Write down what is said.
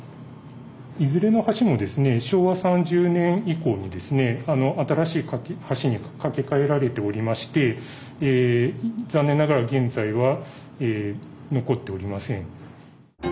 いずれの橋もですね昭和３０年以降にですね新しい橋に架け替えられておりまして残念ながら現在は残っておりません。